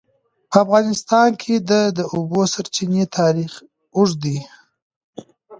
په افغانستان کې د د اوبو سرچینې تاریخ اوږد دی.